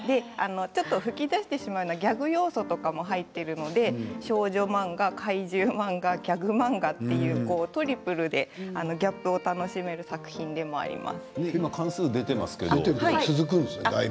噴き出してしまうようなギャグ要素とかもあって少女漫画、怪獣漫画ギャグ漫画という、トリプルでギャップを楽しめる作品でもあります。